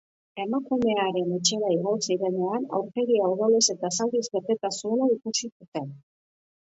Emakumearen etxera igo zirenean, aurpegia odolez eta zauriz beteta zuela ikusi zuten.